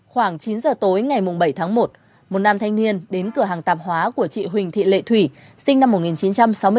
khoảng chín giờ tối ngày bảy tháng một một nam thanh niên đến cửa hàng tạp hóa của chị huỳnh thị lệ thủy sinh năm một nghìn chín trăm sáu mươi bốn